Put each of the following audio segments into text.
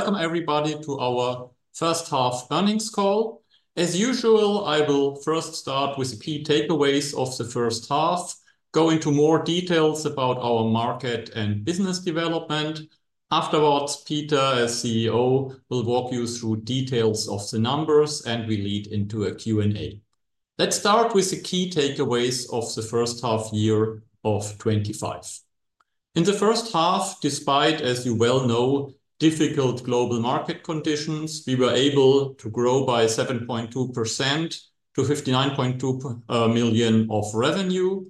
Welcome everybody to our first half's earnings call. As usual, I will first start with the key takeaways of the first half, go into more details about our market and business development. Afterwards, Peter, as CFO, will walk you through the details of the numbers and we lead into a Q&A. Let's start with the key takeaways of the first half year of 2025. In the first half, despite, as you well know, difficult global market conditions, we were able to grow by 7.2% to 59.2 million of revenue.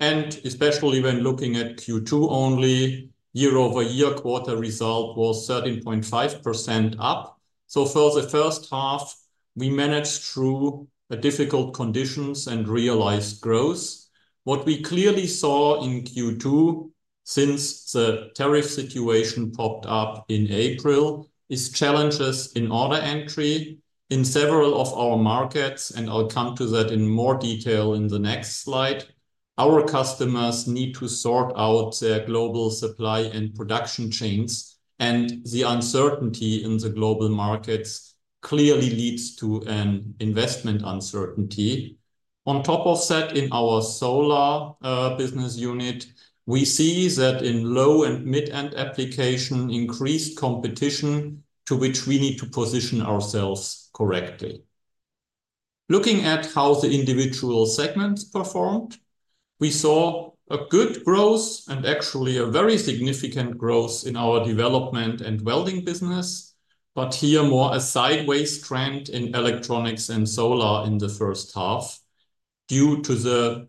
Especially when looking at Q2 only, year-over-year quarter result was 13.5% up. For the first half, we managed through difficult conditions and realized growth. What we clearly saw in Q2, since the tariff situation popped up in April, is challenges in order entry in several of our markets. I'll come to that in more detail in the next slide. Our customers need to sort out their global supply and production chains, and the uncertainty in the global markets clearly leads to an investment uncertainty. On top of that, in our solar business unit, we see that in low-end and mid-end application, increased competition to which we need to position ourselves correctly. Looking at how the individual segments performed, we saw a good growth and actually a very significant growth in our development and welding business. Here more a sideways trend in electronics and solar in the first half due to the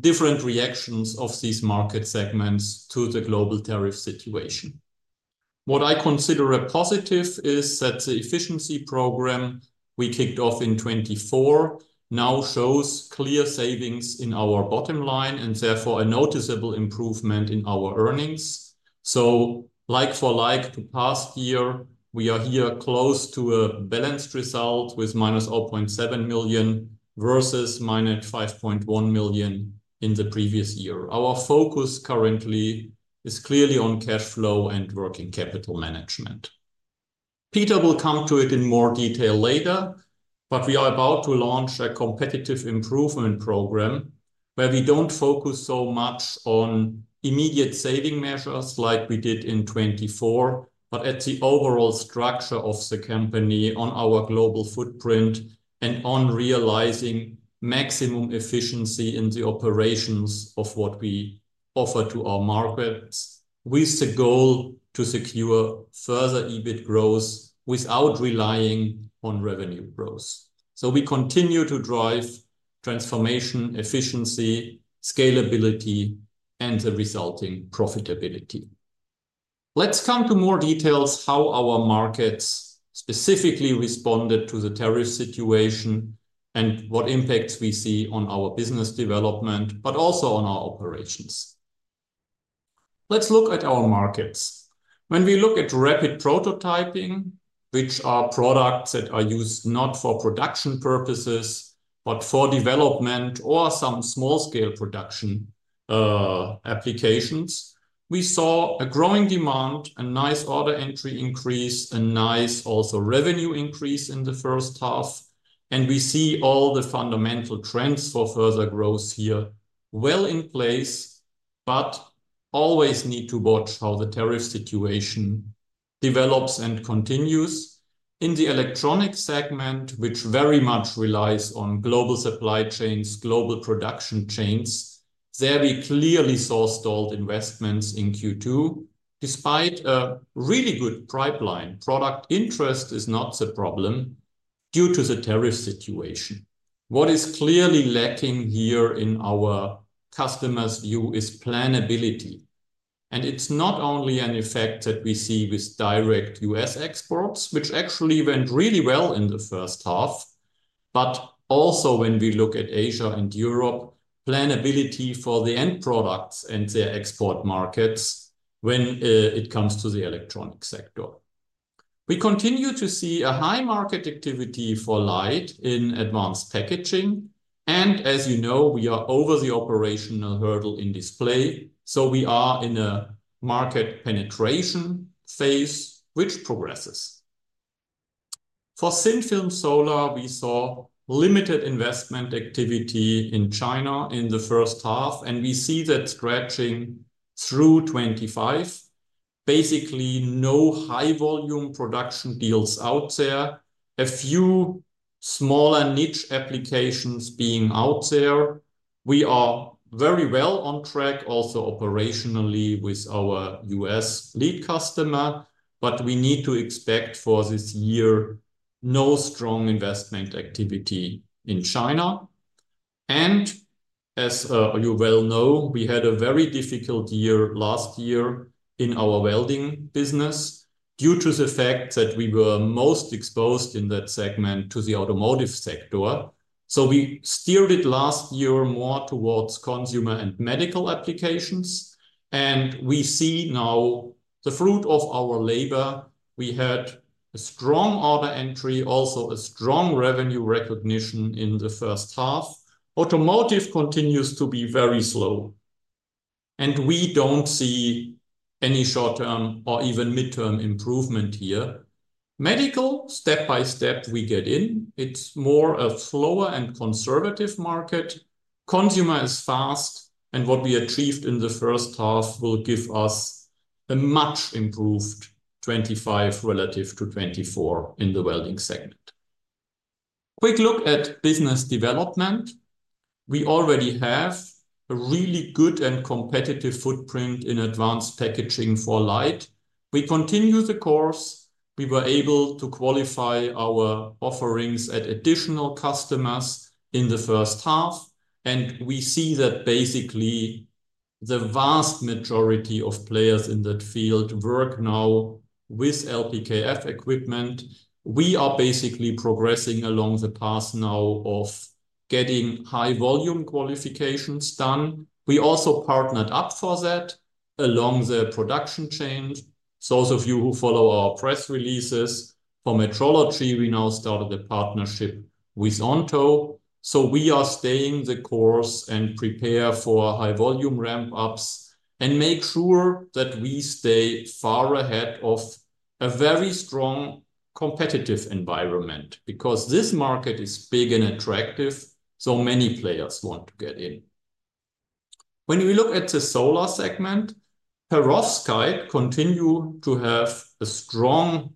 different reactions of these market segments to the global tariff situation. What I consider a positive is that the efficiency program we kicked off in 2024 now shows clear savings in our bottom line and therefore a noticeable improvement in our earnings. Like for like the past year, we are here close to a balanced result with -0.7 million versus -5.1 million in the previous year. Our focus currently is clearly on cash flow and working capital management. Peter will come to it in more detail later, but we are about to launch a competitive improvement program where we don't focus so much on immediate saving measures like we did in 2024, but at the overall structure of the company on our global footprint and on realizing maximum efficiency in the operations of what we offer to our markets with the goal to secure further EBIT growth without relying on revenue growth. We continue to drive transformation, efficiency, scalability, and the resulting profitability. Let's come to more details how our markets specifically responded to the tariff situation and what impacts we see on our business development, but also on our operations. Let's look at our markets. When we look at rapid prototyping, which are products that are used not for production purposes, but for development or some small-scale production applications, we saw a growing demand, a nice order entry increase, a nice also revenue increase in the first half. We see all the fundamental trends for further growth here well in place, but always need to watch how the tariff situation develops and continues. In the electronics segment, which very much relies on global supply chains, global production chains, we clearly saw stalled investments in Q2. Despite a really good pipeline, product interest is not the problem due to the tariff situation. What is clearly lacking here in our customers' view is planability. It's not only an effect that we see with direct U.S. exports, which actually went really well in the first half, but also when we look at Asia and Europe, planability for the end products and their export markets when it comes to the electronics sector. We continue to see a high market activity for LIDE in advanced packaging. As you know, we are over the operational hurdle in display. We are in a market penetration phase, which progresses. For thin film solar, we saw limited investment activity in China in the first half, and we see that stretching through 2025. Basically, no high volume production deals out there, a few smaller niche applications being out there. We are very well on track also operationally with our U.S. lead customer, but we need to expect for this year no strong investment activity in China. As you well know, we had a very difficult year last year in our welding business due to the fact that we were most exposed in that segment to the automotive sector. We steered it last year more towards consumer and medical applications. We see now the fruit of our labor. We had a strong order entry, also a strong revenue recognition in the first half. Automotive continues to be very slow. We don't see any short-term or even mid-term improvement here. Medical, step by step, we get in. It's more a slower and conservative market. Consumer is fast, and what we achieved in the first half will give us a much improved 2025 relative to 2024 in the welding segment. Quick look at business development. We already have a really good and competitive footprint in advanced packaging for light. We continue the course. We were able to qualify our offerings at additional customers in the first half, and we see that basically the vast majority of players in that field work now with LPKF equipment. We are basically progressing along the path now of getting high volume qualifications done. We also partnered up for that along the production chains. Those of you who follow our press releases for Metrology, we now started the partnership with Onto. We are staying the course and prepare for high volume ramp-ups and make sure that we stay far ahead of a very strong competitive environment because this market is big and attractive. Many players want to get in. When we look at the solar segment, Perovskite continues to have a strong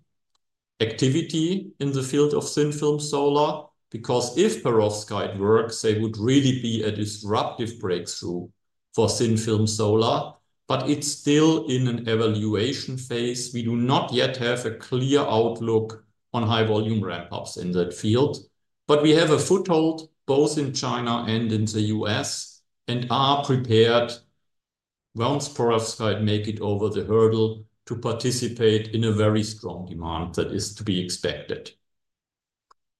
activity in the field of thin film solar because if Perovskite works, they would really be a disruptive breakthrough for thin film solar. It's still in an evaluation phase. We do not yet have a clear outlook on high volume ramp-ups in that field. We have a foothold both in China and in the U.S. and are prepared once Perovskite makes it over the hurdle to participate in a very strong demand that is to be expanded.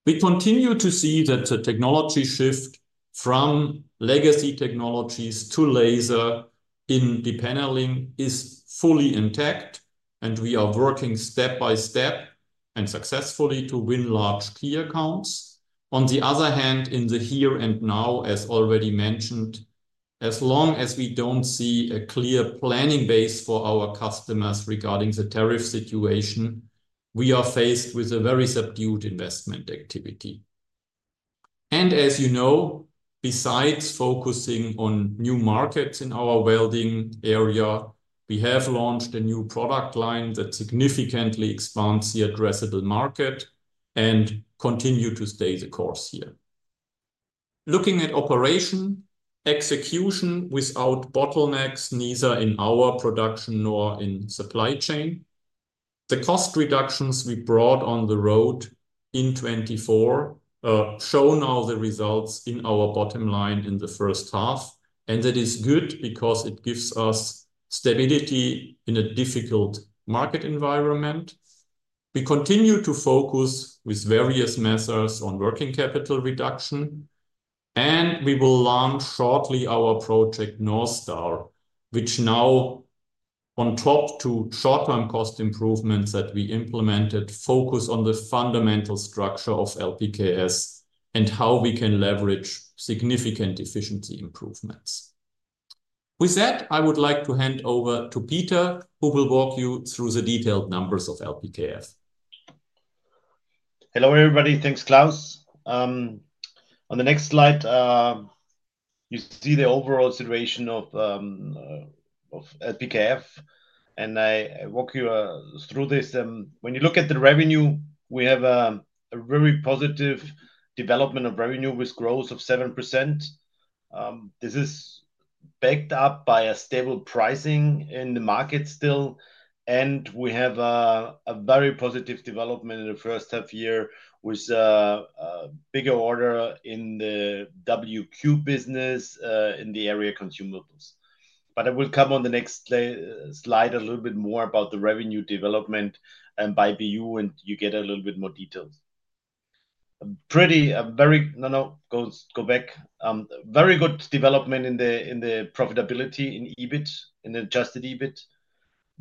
We continue to see that the technology shift from legacy technologies to laser in the paneling is fully intact, and we are working step by step and successfully to win large key accounts. On the other hand, in the here and now, as already mentioned, as long as we don't see a clear planning base for our customers regarding the tariff situation, we are faced with a very subdued investment activity. As you know, besides focusing on new markets in our welding area, we have launched a new product line that significantly expands the addressable market and continues to stay the course here. Looking at operation, execution without bottlenecks, neither in our production nor in supply chain. The cost reductions we brought on the road in 2024 show now the results in our bottom line in the first half. That is good because it gives us stability in a difficult market environment. We continue to focus with various measures on working capital reduction. We will launch shortly our project North Star, which now, on top of short-term cost improvements that we implemented, focuses on the fundamental structure of LPKF and how we can leverage significant efficiency improvements. With that, I would like to hand over to Peter, who will walk you through the detailed numbers of LPKF. Hello everybody. Thanks, Klaus. On the next slide, you see the overall situation of LPKF, and I walk you through this. When you look at the revenue, we have a very positive development of revenue with growth of 7%. This is backed up by a stable pricing in the market still. We have a very positive development in the first half year with a bigger order in the WQ business in the area consumables. I will come on the next slide a little bit more about the revenue development and by BU, and you get a little bit more detail. Very good development in the profitability in EBIT, in the adjusted EBIT.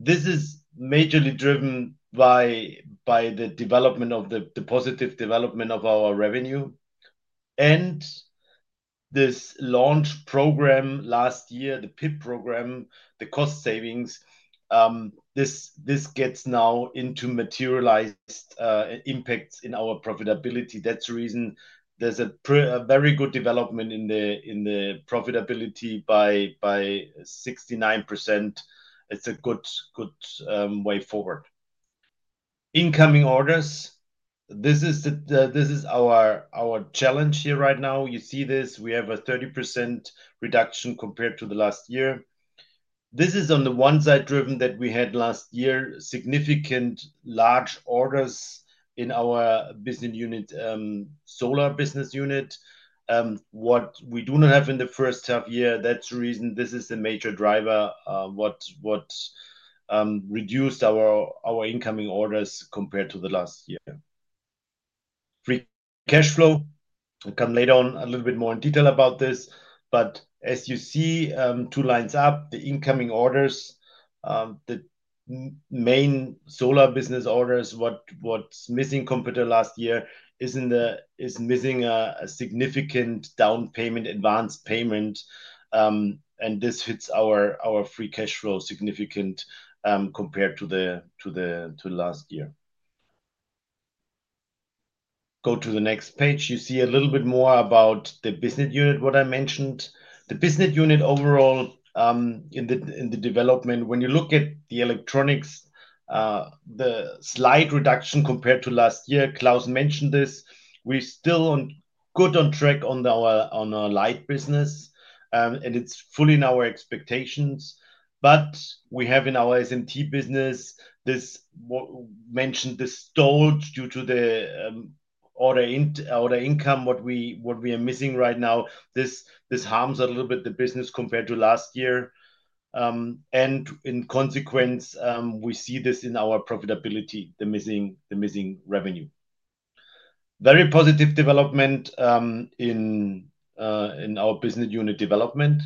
This is majorly driven by the development of the positive development of our revenue. This launch program last year, the PIP program, the cost savings, this gets now into materialized impacts in our profitability. That's the reason there's a very good development in the profitability by 69%. It's a good way forward. Incoming orders, this is our challenge here right now. You see this, we have a 30% reduction compared to the last year. This is on the one side driven that we had last year, significant large orders in our business unit, solar business unit. What we do not have in the first half year, that's the reason this is a major driver, what reduced our incoming orders compared to the last year. Free cash flow, I'll come later on a little bit more in detail about this. As you see, two lines up, the incoming orders, the main solar business orders, what's missing compared to last year is missing a significant down payment, advanced payment. This fits our free cash flow significantly compared to last year. Go to the next page. You see a little bit more about the business unit, what I mentioned. The business unit overall in the development, when you look at the electronics, the slight reduction compared to last year, Klaus mentioned this. We're still good on track on our light business, and it's fully in our expectations. We have in our S&T business this what mentioned this stall due to the order income, what we are missing right now. This harms a little bit the business compared to last year. In consequence, we see this in our profitability, the missing revenue. Very positive development in our business unit development.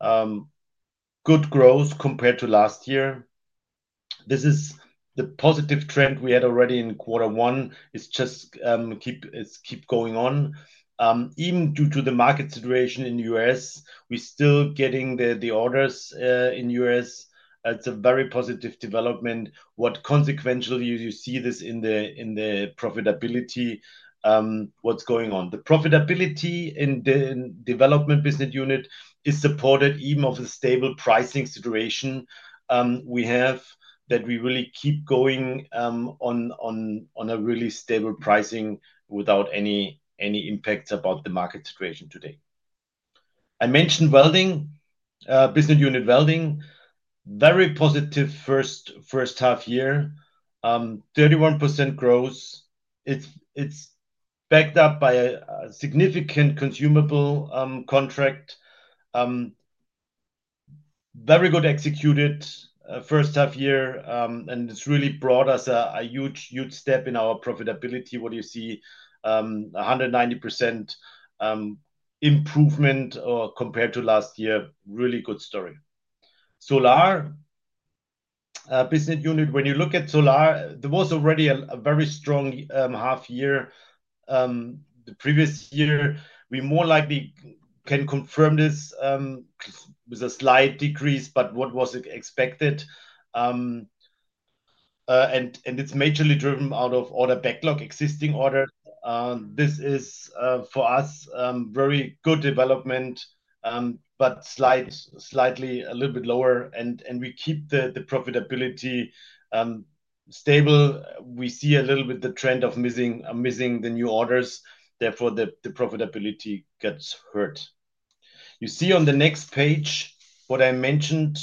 Good growth compared to last year. This is the positive trend we had already in quarter one. It's just keep going on. Even due to the market situation in the U.S., we're still getting the orders in the U.S. It's a very positive development. What consequential, you see this in the profitability, what's going on. The profitability in the development business unit is supported even of a stable pricing situation. We have that we really keep going on a really stable pricing without any impact about the market situation today. I mentioned welding, business unit welding, very positive first half year, 31% growth. It's backed up by a significant consumables contract. Very good executed first half year, and it's really brought us a huge, huge step in our profitability. What do you see? A 190% improvement compared to last year, really good story. Solar business unit, when you look at solar, there was already a very strong half year. The previous year, we more likely can confirm this with a slight decrease, but what was expected. It's majorly driven out of order backlog, existing order. This is for us very good development, but slightly a little bit lower, and we keep the profitability stable. We see a little bit the trend of missing the new orders. Therefore, the profitability gets hurt. You see on the next page what I mentioned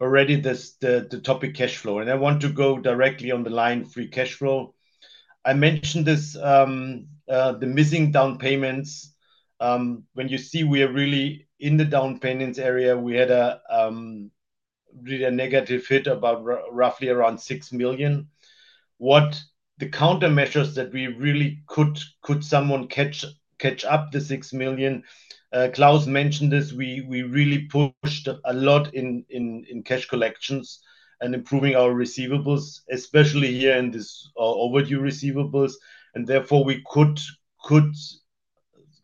already, the topic cash flow. I want to go directly on the line free cash flow. I mentioned this, the missing down payments. When you see we are really in the down payments area, we had a really negative hit about roughly around $6 million. What the countermeasures that we really could, could someone catch up the $6 million? Klaus mentioned this. We really pushed a lot in cash collections and improving our receivables, especially here in these overdue receivables. Therefore, we could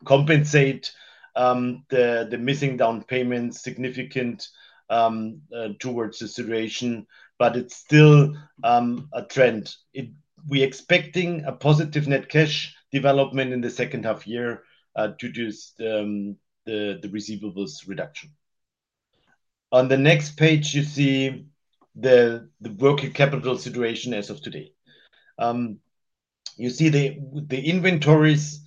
compensate the missing down payments significantly towards the situation. It's still a trend. We're expecting a positive net cash development in the second half year to reduce the receivables reduction. On the next page, you see the working capital situation as of today. You see the inventories.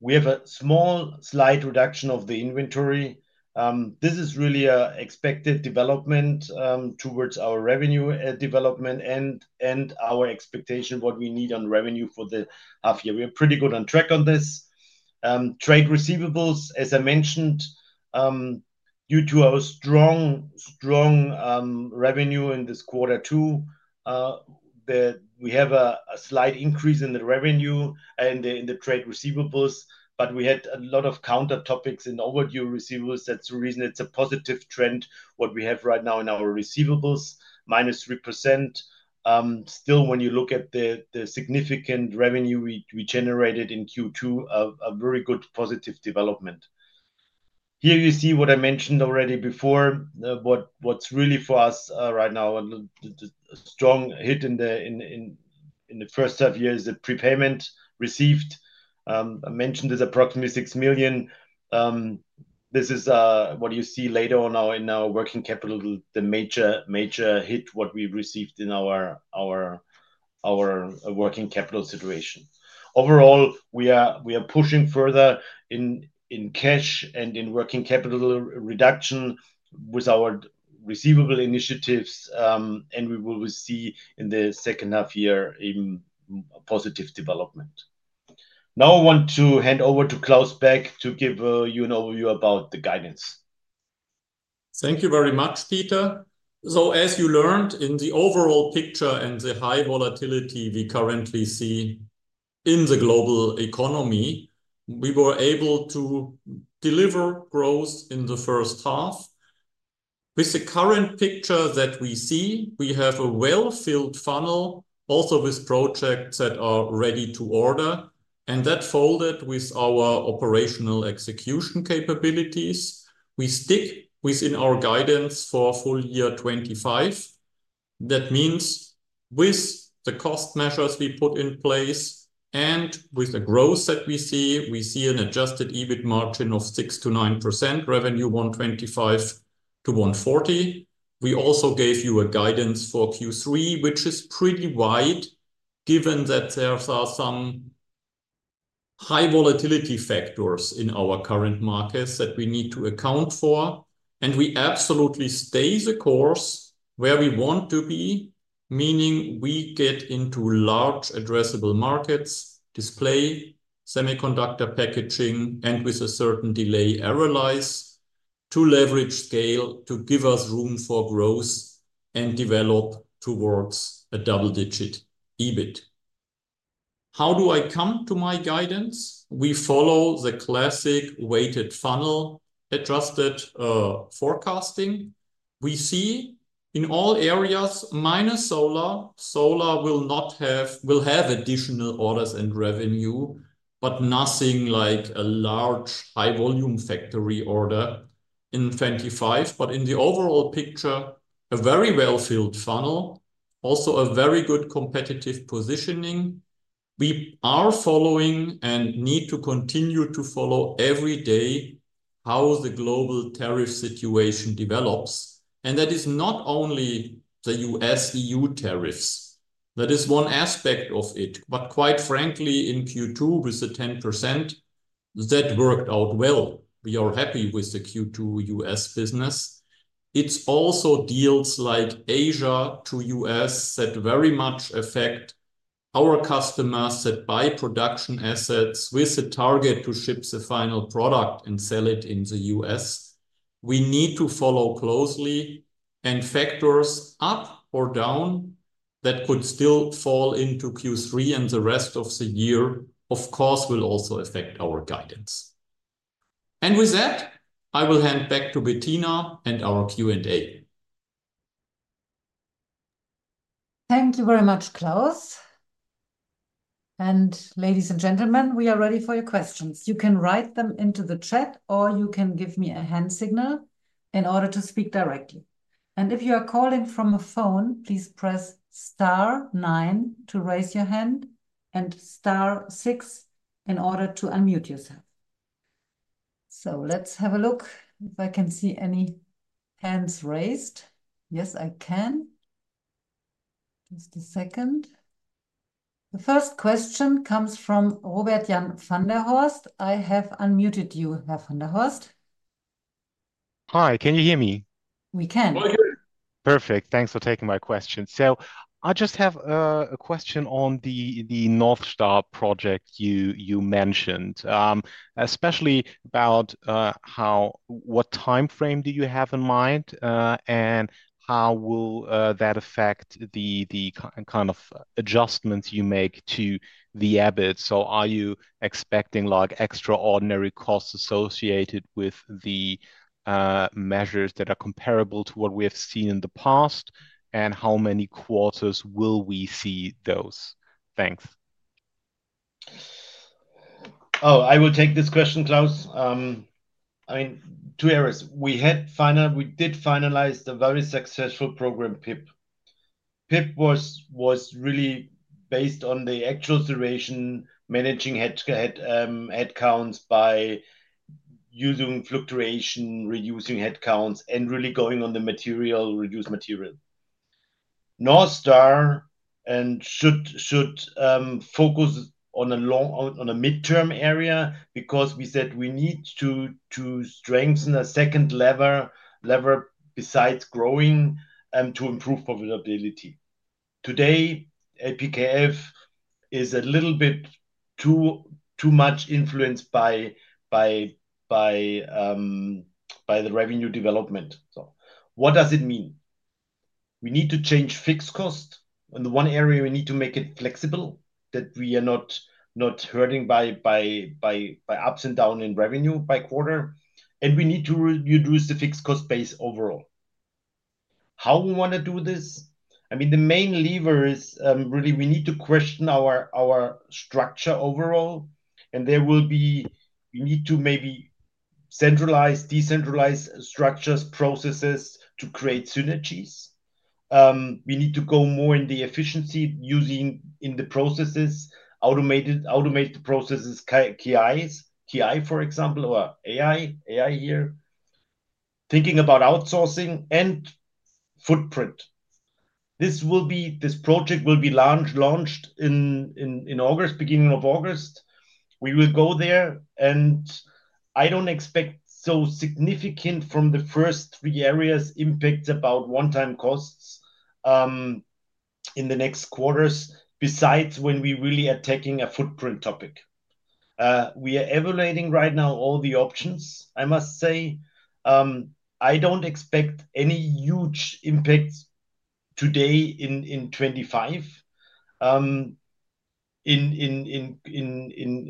We have a small slight reduction of the inventory. This is really an expected development towards our revenue development and our expectation of what we need on revenue for the half year. We are pretty good on track on this. Trade receivables, as I mentioned, due to our strong, strong revenue in this quarter two, we have a slight increase in the revenue and in the trade receivables, but we had a lot of counter topics in overdue receivables. That's the reason it's a positive trend what we have right now in our receivables, -3%. Still, when you look at the significant revenue we generated in Q2, a very good positive development. Here you see what I mentioned already before. What's really for us right now, a strong hit in the first half year is the prepayment received. I mentioned this, approximately $6 million. This is what you see later on now in our working capital, the major, major hit what we received in our working capital situation. Overall, we are pushing further in cash and in working capital reduction with our receivable initiatives, and we will see in the second half year a positive development. Now I want to hand over to Klaus back to give you an overview about the guidance. Thank you very much, Peter. As you learned in the overall picture and the high volatility we currently see in the global economy, we were able to deliver growth in the first half. With the current picture that we see, we have a well-filled funnel also with projects that are ready to order. That folded with our operational execution capabilities. We stick within our guidance for full year 2025. That means with the cost measures we put in place and with the growth that we see, we see an adjusted EBIT margin of 6%-9%, revenue $125 million-$140 million. We also gave you a guidance for Q3, which is pretty wide given that there are some high volatility factors in our current markets that we need to account for. We absolutely stay the course where we want to be, meaning we get into large addressable markets, display, semiconductor packaging, and with a certain delay array to leverage scale to give us room for growth and develop towards a double-digit EBIT. How do I come to my guidance? We follow the classic weighted funnel adjusted forecasting. We see in all areas, minus solar, solar will not have additional orders and revenue, but nothing like a large high volume factory order in 2025. In the overall picture, a very well-filled funnel, also a very good competitive positioning. We are following and need to continue to follow every day how the global tariff situation develops. That is not only the U.S.-EU tariffs. That is one aspect of it. Quite frankly, in Q2 with the 10%, that worked out well. We are happy with the Q2 U.S. business. It's also deals like Asia to U.S. that very much affect our customers that buy production assets with the target to ship the final product and sell it in the U.S. We need to follow closely. Factors up or down that could still fall into Q3 and the rest of the year, of course, will also affect our guidance. With that, I will hand back to Bettina and our Q&A. Thank you very much, Klaus. Ladies and gentlemen, we are ready for your questions. You can write them into the chat or you can give me a hand signal in order to speak directly. If you are calling from a phone, please press star nine to raise your hand and star six in order to unmute yourself. Let's have a look if I can see any hands raised. Yes, I can. Just a second. The first question comes from Robert Jan van der Horst. I have unmuted you, Herr van der Horst. Hi, can you hear me? We can. Perfect. Thanks for taking my question. I just have a question on the North Star project you mentioned, especially about what timeframe you have in mind and how that will affect the kind of adjustments you make to the EBIT. Are you expecting extraordinary costs associated with the measures that are comparable to what we have seen in the past? How many quarters will we see those? Thanks. Oh, I will take this question, Klaus. I mean, two areas. We did finalize the very successful program PIP. PIP was really based on the actual duration, managing headcounts by using fluctuation, reducing headcounts, and really going on the material, reduce material. North Star should focus on a long, on a mid-term area because we said we need to strengthen a second lever besides growing to improve profitability. Today, LPKF Laser & Electronics SE is a little bit too much influenced by the revenue development. What does it mean? We need to change fixed cost. In the one area, we need to make it flexible that we are not hurting by ups and downs in revenue by quarter. We need to reduce the fixed cost base overall. How we want to do this? I mean, the main lever is really we need to question our structure overall. There will be, we need to maybe centralize, decentralize structures, processes to create synergies. We need to go more in the efficiency using in the processes, automate the processes, KI, for example, or AI, AI here. Thinking about outsourcing and footprint. This project will be launched in August, beginning of August. We will go there. I don't expect so significant from the first three areas impact about one-time costs in the next quarters, besides when we really are attacking a footprint topic. We are evaluating right now all the options. I must say, I don't expect any huge impacts today in 2025.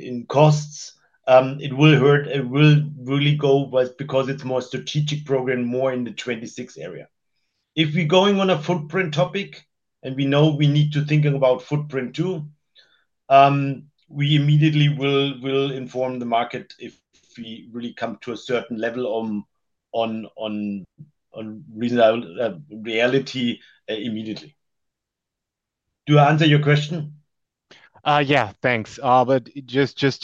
In costs, it will hurt. It will really go because it's a more strategic program, more in the 2026 area. If we're going on a footprint topic and we know we need to think about footprint too, we immediately will inform the market if we really come to a certain level on reality immediately. Do I answer your question? Thank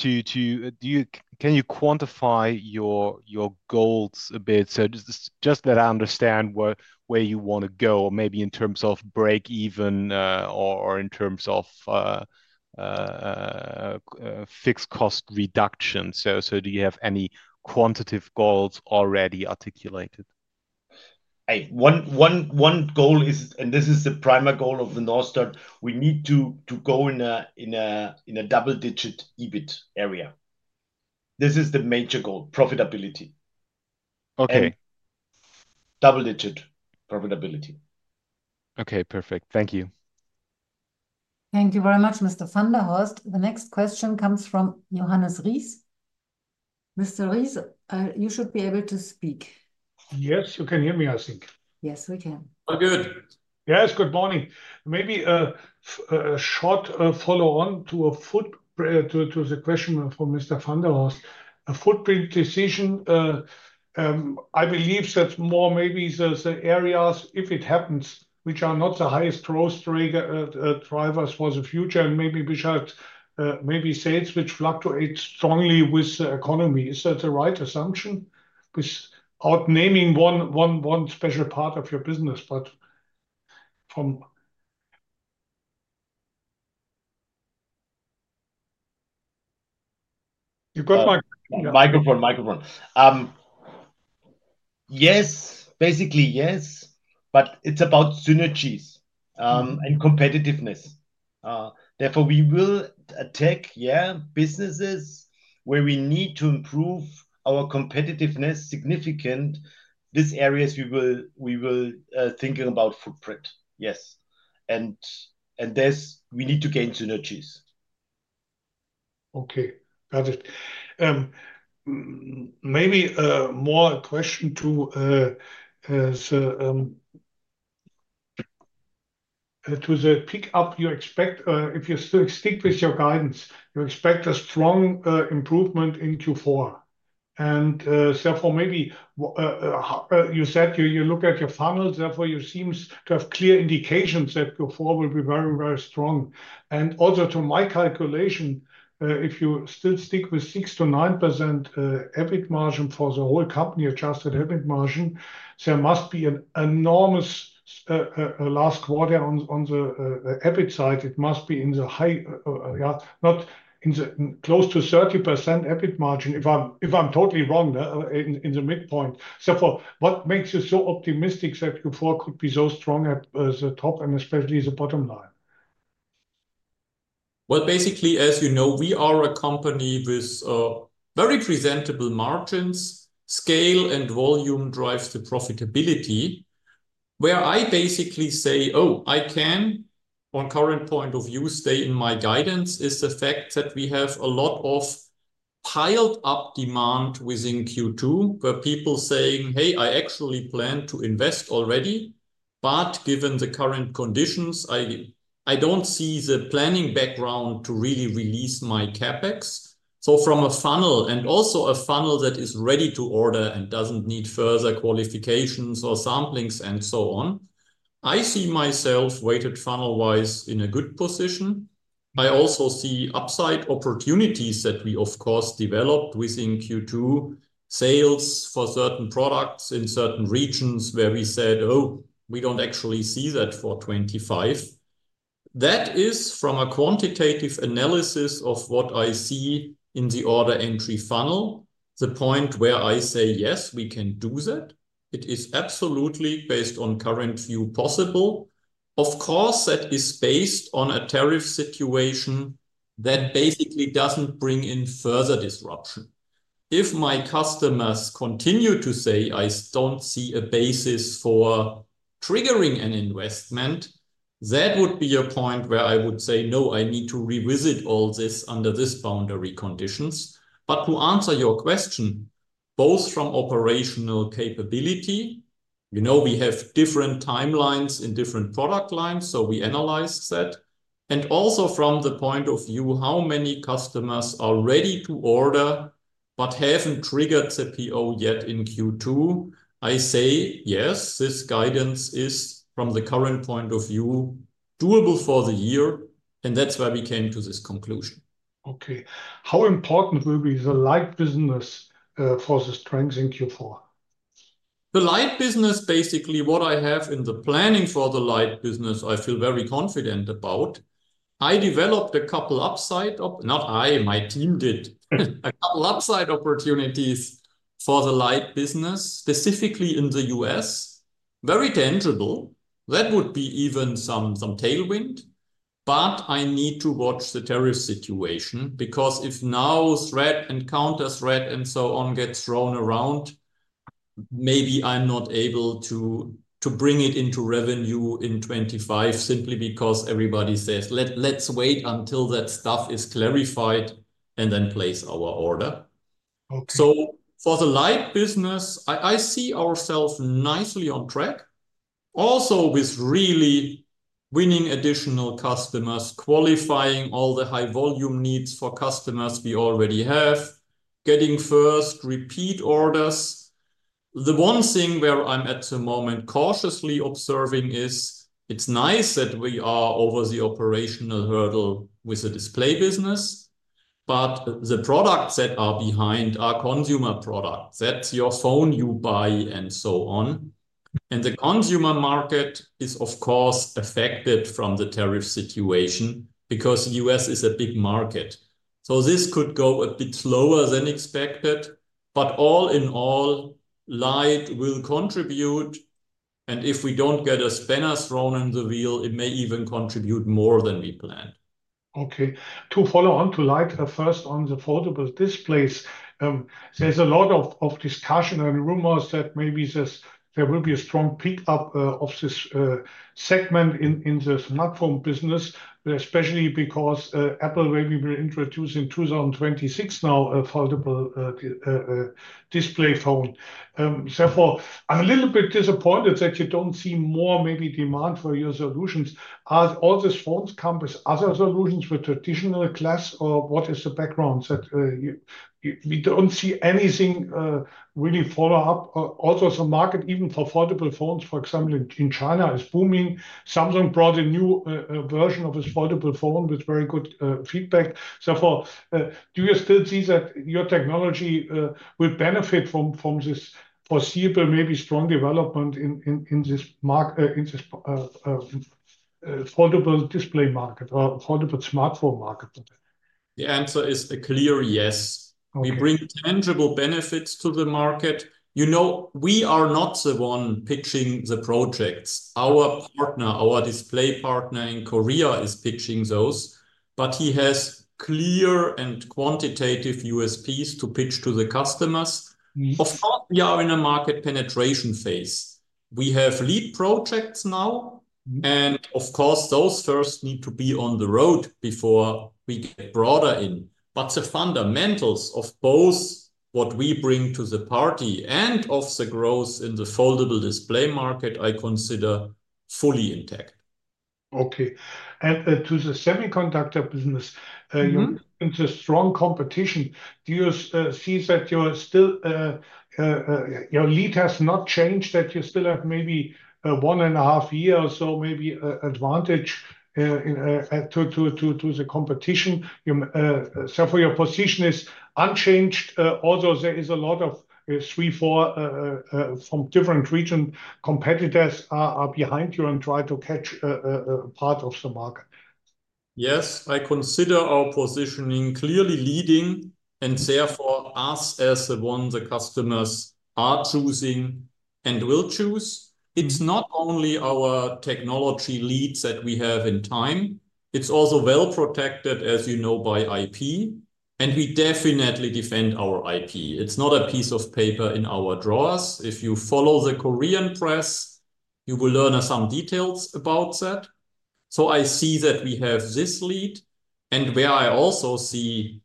you. Do you, can you quantify your goals a bit? Just that I understand where you want to go, maybe in terms of break-even or in terms of fixed cost reduction. Do you have any quantitative goals already articulated? One goal is, and this is the primary goal of the North Star project, we need to go in a double-digit EBIT area. This is the major goal, profitability. Okay. Double-digit profitability. Okay, perfect. Thank you. Thank you very much, Mr. van der Horst. The next question comes from Johannes Riis. Mr. Riis, you should be able to speak. Yes, you can hear me, I think. Yes, we can. All good. Yes, good morning. Maybe a short follow-on to the question from Mr. van der Horst. A footprint decision, I believe that's more maybe the areas, if it happens, which are not the highest growth drivers for the future and maybe which are maybe sales which fluctuate strongly with the economy. Is that the right assumption? Without naming one special part of your business, but from... You got my microphone. Yes, basically yes, but it's about synergies and competitiveness. Therefore, we will attack businesses where we need to improve our competitiveness significantly. These areas we will be thinking about footprint. Yes, and thus, we need to gain synergies. Okay. Got it. Maybe more a question to the pick-up you expect. If you still stick with your guidance, you expect a strong improvement in Q4. Therefore, maybe you said you look at your funnels. Therefore, you seem to have clear indications that Q4 will be very, very strong. Also, to my calculation, if you still stick with 6%-9% EBIT margin for the whole company, adjusted EBIT margin, there must be an enormous last quarter on the EBIT side. It must be in the high, yeah, not in the close to 30% EBIT margin, if I'm totally wrong in the midpoint. For what makes it so optimistic that Q4 could be so strong at the top and especially the bottom line? Basically, as you know, we are a company with very presentable margins. Scale and volume drive the profitability. Where I basically say, oh, I can, on the current point of view, stay in my guidance, is the fact that we have a lot of piled-up demand within Q2 where people are saying, hey, I actually plan to invest already, but given the current conditions, I don't see the planning background to really release my CapEx. From a funnel and also a funnel that is ready to order and doesn't need further qualifications or samplings and so on, I see myself weighted funnel-wise in a good position. I also see upside opportunities that we, of course, developed within Q2, sales for certain products in certain regions where we said, oh, we don't actually see that for 2025. That is from a quantitative analysis of what I see in the order entry funnel, the point where I say, yes, we can do that. It is absolutely based on current view possible. Of course, that is based on a tariff situation that basically doesn't bring in further disruption. If my customers continue to say, I don't see a basis for triggering an investment, that would be a point where I would say, no, I need to revisit all this under these boundary conditions. To answer your question, both from operational capability, you know we have different timelines in different product lines, so we analyze that. Also from the point of view, how many customers are ready to order but haven't triggered the PO yet in Q2, I say, yes, this guidance is from the current point of view doable for the year, and that's why we came to this conclusion. Okay. How important will be the light business for the strength in Q4? The light business, basically what I have in the planning for the light business, I feel very confident about. I developed a couple of upside, not I, my team did, a couple of upside opportunities for the light business specifically in the U.S. Very tangible. That would be even some tailwind. I need to watch the tariff situation because if now threat and counter threat and so on gets thrown around, maybe I'm not able to bring it into revenue in 2025 simply because everybody says, let's wait until that stuff is clarified and then place our order. For the light business, I see ourselves nicely on track. Also, with really winning additional customers, qualifying all the high volume needs for customers we already have, getting first repeat orders. The one thing where I'm at the moment cautiously observing is it's nice that we are over the operational hurdle with the display business, but the products that are behind are consumer products. That's your phone you buy and so on. The consumer market is, of course, affected from the tariff situation because the U.S. is a big market. This could go a bit slower than expected. All in all, light will contribute. If we don't get a spinner thrown in the wheel, it may even contribute more than we planned. Okay. To follow on to light first on the foldable displays, there's a lot of discussion and rumors that maybe there will be a strong pickup of this segment in the smartphone business, especially because Apple will be introduced in 2026 now a foldable display phone. Therefore, I'm a little bit disappointed that you don't see more maybe demand for your solutions. Are all these phones come with other solutions with traditional glass or what is the background? We don't see anything really follow up. Also, the market even for foldable phones, for example, in China is booming. Samsung brought a new version of its foldable phone with very good feedback. Therefore, do you still see that your technology will benefit from this possible maybe strong development in this foldable display market or foldable smartphone market? The answer is a clear yes. We bring tangible benefits to the market. You know we are not the one pitching the projects. Our partner, our display partner in Korea, is pitching those, but he has clear and quantitative USPs to pitch to the customers. Of course, we are in a market penetration phase. We have lead projects now. Those first need to be on the road before we get broader in. The fundamentals of both what we bring to the party and of the growth in the foldable display market, I consider fully intact. Okay. To the semiconductor business, you're in the strong competition. Do you see that your lead has not changed, that you still have maybe one and a half years or so advantage to the competition? Your position is unchanged, although there is a lot of three, four from different region competitors are behind you and try to catch a part of the market. Yes, I consider our positioning clearly leading and therefore us as the one the customers are choosing and will choose. It's not only our technology leads that we have in time. It's also well protected, as you know, by IP. We definitely defend our IP. It's not a piece of paper in our drawers. If you follow the Korean press, you will learn some details about that. I see that we have this lead. I also see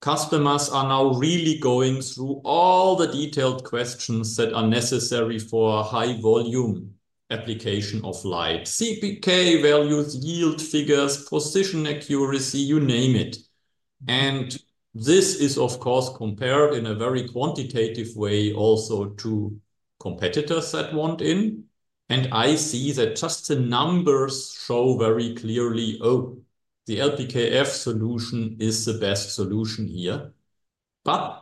customers are now really going through all the detailed questions that are necessary for a high volume application of LIDE. CPK values, yield figures, position accuracy, you name it. This is, of course, compared in a very quantitative way also to competitors that want in. I see that just the numbers show very clearly, oh, the LPKF solution is the best solution here.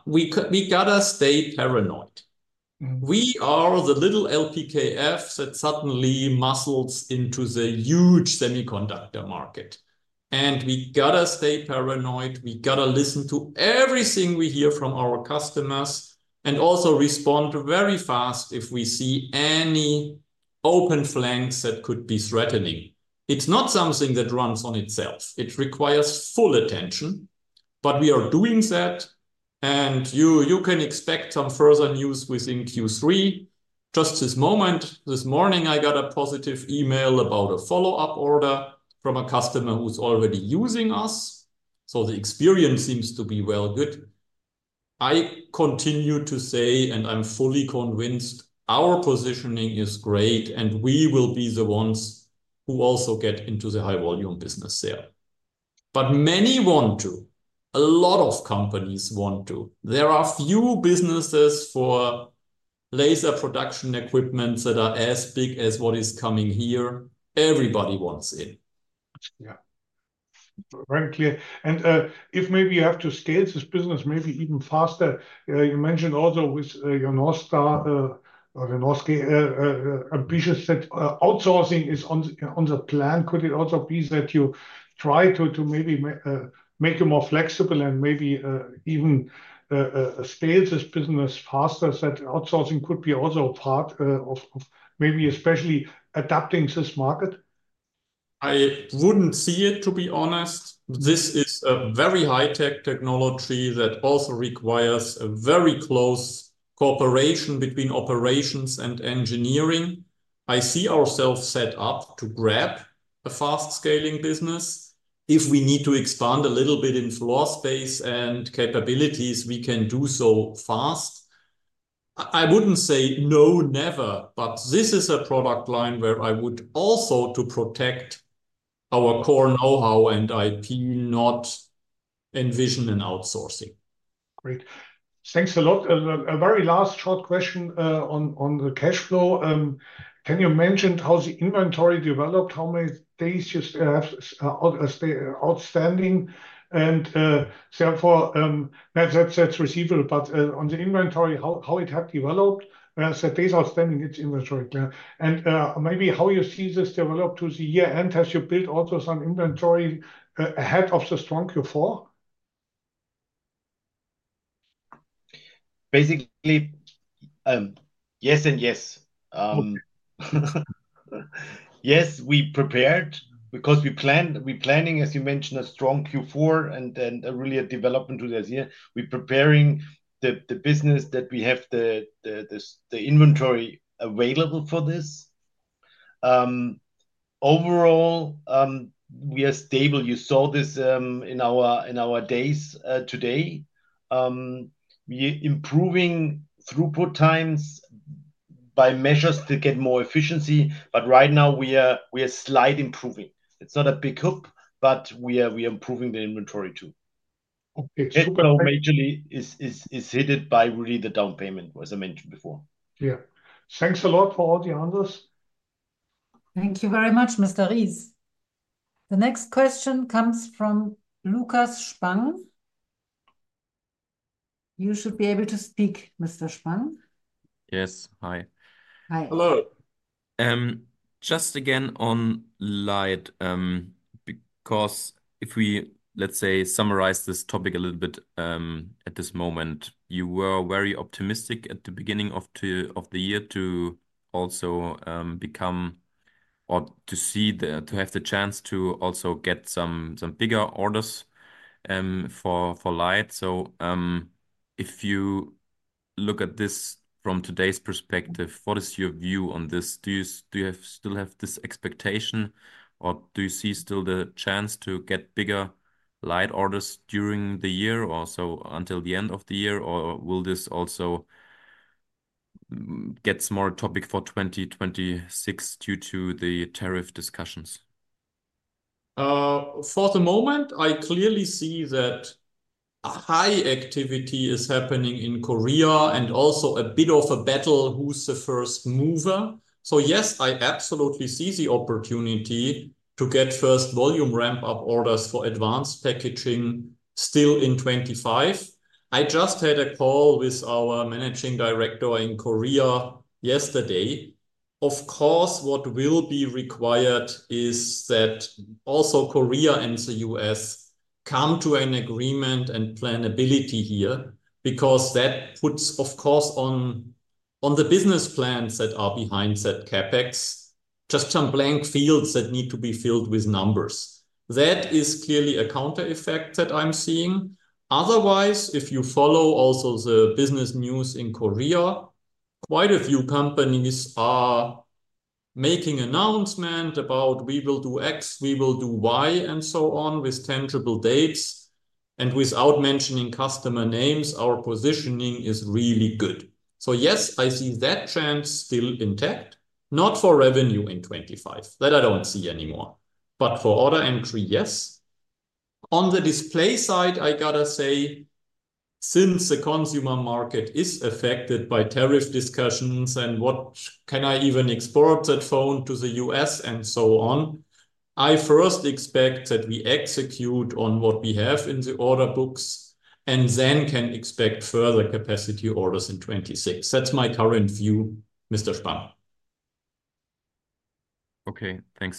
We got to stay paranoid. We are the little LPKF that suddenly muscles into the huge semiconductor market. We got to stay paranoid. We got to listen to everything we hear from our customers and also respond very fast if we see any open flanks that could be threatening. It's not something that runs on itself. It requires full attention. We are doing that. You can expect some further news within Q3. Just this moment, this morning, I got a positive email about a follow-up order from a customer who's already using us. The experience seems to be well good. I continue to say, and I'm fully convinced, our positioning is great, and we will be the ones who also get into the high volume business there. Many want to. A lot of companies want to. There are a few businesses for laser production equipment that are as big as what is coming here. Everybody wants in. Yeah. Very clear. If maybe you have to scale this business maybe even faster, you mentioned also with your North Star ambitious that outsourcing is on the plan. Could it also be that you try to maybe make it more flexible and maybe even scale this business faster so that outsourcing could be also a part of maybe especially adapting this market? I wouldn't see it, to be honest. This is a very high-tech technology that also requires a very close cooperation between operations and engineering. I see ourselves set up to grab a fast scaling business. If we need to expand a little bit in floor space and capabilities, we can do so fast. I wouldn't say no, never. This is a product line where I would also protect our core know-how and IP, not envision an outsourcing. Great. Thanks a lot. A very last short question on the cash flow. Can you mention how the inventory developed, how many days you have outstanding? Therefore, that's receivable. On the inventory, how it had developed, so these are standing, it's inventory. Maybe how you see this developed to the year end, has your build also some inventory ahead of the strong Q4? Basically, yes and yes. Yes, we prepared because we planned, we're planning, as you mentioned, a strong Q4 and then really a development to the year. We're preparing the business that we have the inventory available for this. Overall, we are stable. You saw this in our days today. We're improving throughput times by measures to get more efficiency. Right now, we are slightly improving. It's not a big hoop, but we are improving the inventory too. Okay. Our major lease is hit by really the down payment, as I mentioned before. Yeah, thanks a lot for all the answers. Thank you very much, Mr. Riis. The next question comes from Lucas Spang. You should be able to speak, Mr. Spang. Yes. Hi. Hi. Hello. Just again on light, because if we, let's say, summarize this topic a little bit at this moment, you were very optimistic at the beginning of the year to also become or to see the to have the chance to also get some bigger orders for light. If you look at this from today's perspective, what is your view on this? Do you still have this expectation, or do you see still the chance to get bigger light orders during the year or until the end of the year, or will this also get a smaller topic for 2026 due to the tariff discussions? For the moment, I clearly see that a high activity is happening in Korea and also a bit of a battle who's the first mover. Yes, I absolutely see the opportunity to get first volume ramp-up orders for advanced packaging still in 2025. I just had a call with our Managing Director in Korea yesterday. Of course, what will be required is that also Korea and the U.S. come to an agreement and plan ability here because that puts, of course, on the business plans that are behind that CapEx, just some blank fields that need to be filled with numbers. That is clearly a counter effect that I'm seeing. Otherwise, if you follow also the business news in Korea, quite a few companies are making announcements about we will do X, we will do Y, and so on with tangible dates. Without mentioning customer names, our positioning is really good. Yes, I see that chance still intact, not for revenue in 2025. That I don't see anymore, but for order entry, yes. On the display side, I got to say, since the consumer market is affected by tariff discussions and what can I even export that phone to the U.S. and so on, I first expect that we execute on what we have in the order books and then can expect further capacity orders in 2026. That's my current view, Mr. Spang. Thank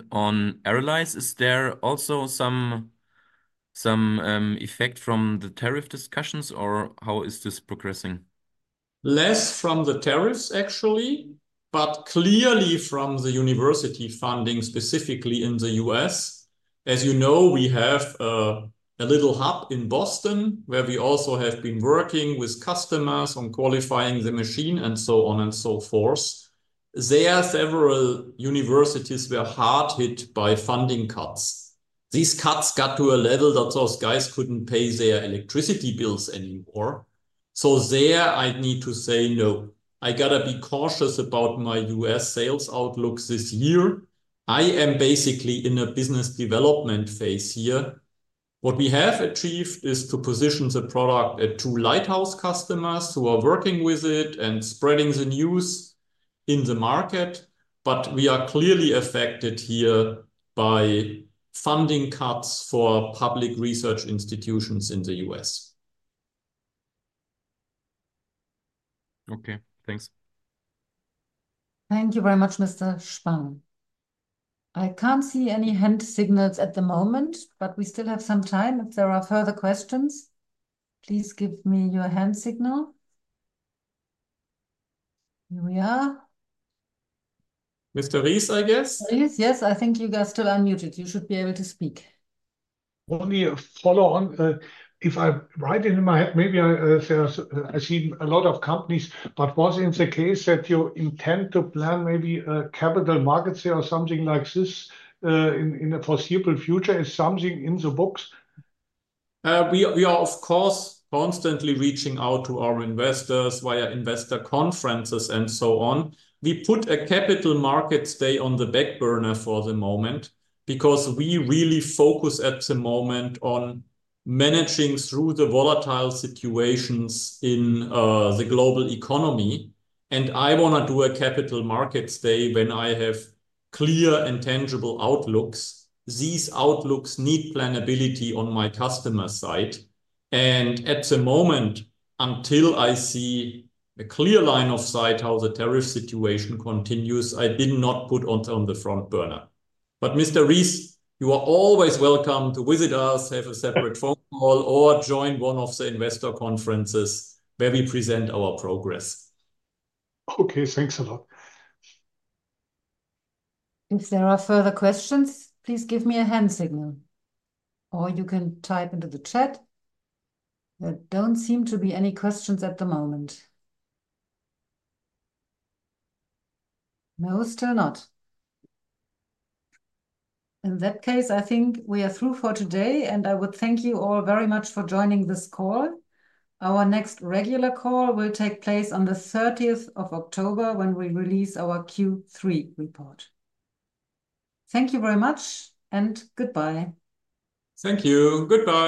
you. On arrays, is there also some effect from the tariff discussions, or how is this progressing? Less from the tariffs, actually, but clearly from the university funding specifically in the U.S. As you know, we have a little hub in Boston where we also have been working with customers on qualifying the machine and so on and so forth. There are several universities that were hard hit by funding cuts. These cuts got to a level that those guys couldn't pay their electricity bills anymore. I need to say no. I got to be cautious about my U.S. sales outlook this year. I am basically in a business development phase here. What we have achieved is to position the product to lighthouse customers who are working with it and spreading the news in the market. We are clearly affected here by funding cuts for public research institutions in the U.S. Okay, thanks. Thank you very much, Mr. Spang. I can't see any hand signals at the moment, but we still have some time. If there are further questions, please give me your hand signal. Here we are. Mr. Riis, I guess? Yes, I think you guys are still unmuted. You should be able to speak. Let me follow on. If I write it in my head, maybe I see a lot of companies, but was it the case that you intend to plan maybe a capital markets here or something like this in the foreseeable future? Is something in the books? We are, of course, constantly reaching out to our investors via investor conferences and so on. We put a capital market day on the back burner for the moment because we really focus at the moment on managing through the volatile situations in the global economy. I want to do a capital market day when I have clear and tangible outlooks. These outlooks need planability on my customer side. At the moment, until I see a clear line of sight how the tariff situation continues, I did not put it on the front burner. Mr. Riis, you are always welcome to visit us, have a separate phone call, or join one of the investor conferences where we present our progress. Okay, thanks a lot. If there are further questions, please give me a hand signal or you can type into the chat. There don't seem to be any questions at the moment. Most are not. In that case, I think we are through for today, and I would thank you all very much for joining this call. Our next regular call will take place on the 30th of October when we release our Q3 report. Thank you very much, and goodbye. Thank you. Goodbye.